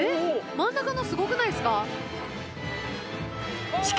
真ん中のすごくないですか？